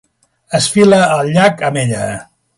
Es fila al llac amb ella.